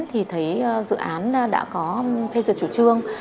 thì thấy dự án đã có phê duyệt chủ trương